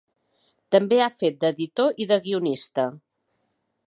També ha fet d'editor i de guionista.